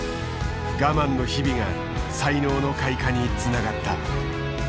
我慢の日々が才能の開花につながった。